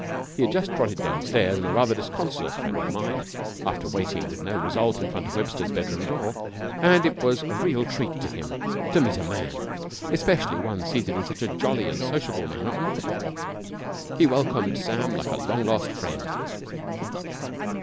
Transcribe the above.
He had just trotted downstairs in rather a disconsolate frame of mind after waiting with no result in front of Webster's bedroom door, and it was a real treat to him to meet a man, especially one seated in such a jolly and sociable manner on the floor. He welcomed Sam like a long lost friend.